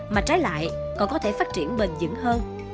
mà trái lại còn có thể phát triển bền dững hơn